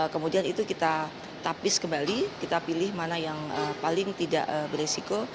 kemudian itu kita tapis kembali kita pilih mana yang paling tidak beresiko